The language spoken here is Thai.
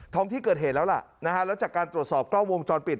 ที่เกิดเหตุแล้วล่ะนะฮะแล้วจากการตรวจสอบกล้องวงจรปิด